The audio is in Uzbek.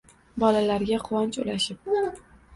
Bolalarga quvonch ulashib